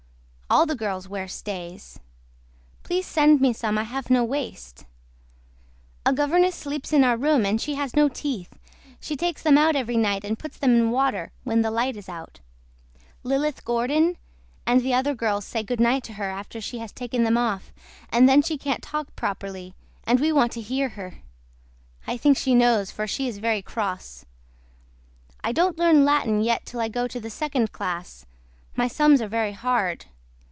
ALL THE GIRLS WEAR STAYS. PLEASE SEND ME SOME I HAVE NO WASTE. A GOVERNESS SLEEPS IN OUR ROOM AND SHE HAS NO TEETH. SHE TAKES THEM OUT EVERY NIGHT AND PUTS THEM IN WATER WHEN THE LIGHT IS OUT. LILITH GORDON AND THE OTHER GIRL SAY GOODNIGHT TO HER AFTER SHE HAS TAKEN THEM OFF THEN SHE CANT TALK PROPPERLY AND WE WANT TO HEAR HER. I THINK SHE KNOWS FOR SHE IS VERY CROSS. I DON'T LEARN LATIN YET TILL I GO INTO THE SECOND CLASS MY SUMS ARE VERY HARD.